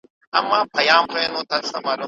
ناوې په ژړا نه خېږي.